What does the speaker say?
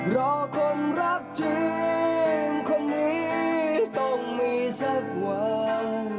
รอคนรักจริงคนนี้ต้องมีสักวัน